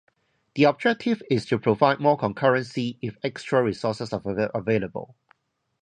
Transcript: The objective is to provide more concurrency if extra resources are available.